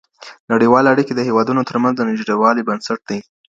نړيوالي اړیکي د هیوادونو ترمنځ د نږدېوالي بنسټ دی.